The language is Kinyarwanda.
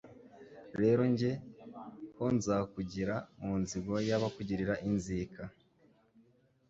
Rero jye ho nzakugira mu nzigo Y’abakugirira inzika,